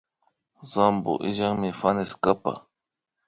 Sampo illanmi fanestapa